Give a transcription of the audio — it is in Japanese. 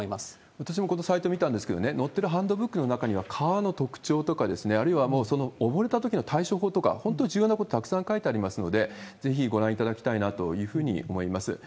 私もこのサイト見たんですけれども、載ってるハンドブックの中には川の特徴とか、あるいは溺れたときの対処法とか、本当、重要なことたくさん書いてありますので、ぜひご覧いただきたいなというふうに思います。